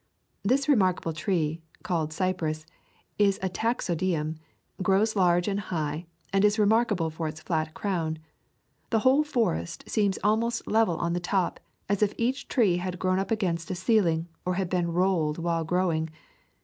This remarkable tree, called cypress, is a taxodium, grows large and high, and is remarkable for its flat crown. The whole forest seems almost level on the top, as if each tree had grown up against a ceiling, or had been rolled while growing.